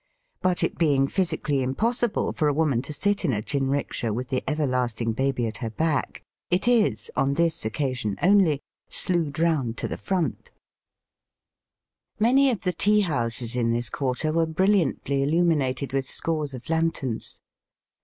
But it being physi cally impossible for a woman to sit in a jin riksha with the everlasting baby at her back, it is, on this occasion only, slewed round to the front. Digitized by VjOOQIC 8 EAST BY WEST. Many of the tea houses in this quarter were brilliantly illuminated with scores of lanterns.